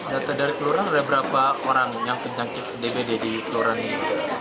data dari kelurahan ada berapa orang yang terjangkit demam berdarah denge